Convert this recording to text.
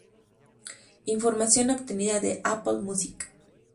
Información obtenida de Apple Music.